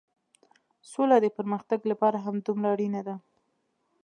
سوله د پرمختګ لپاره همدومره اړينه ده.